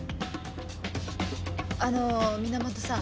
あの源さん。